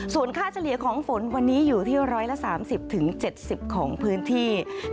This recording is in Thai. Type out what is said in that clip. ส่วนค่าเฉลี่ยของฝนวันนี้อยู่ที่๑๓๐